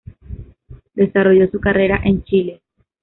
Desarrollo su carrera en Chile.